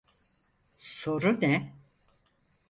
Soru ne?